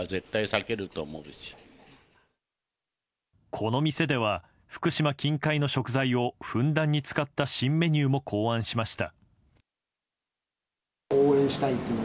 この店では、福島近海の食材をふんだんに使った新メニューも考案しました。